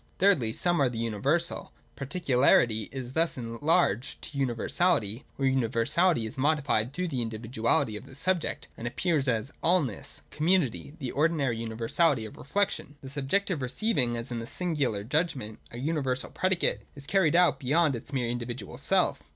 (3) Thirdly, Some are the universal : particularity is thus enlarged to universality: or universahty is modified through the individuality of the subject, and appears as allness Community, the ordinary universality of reflection). The subject, receiving, as in the Singular judgment, a uni versal predicate, is carried out beyond its mere individual self.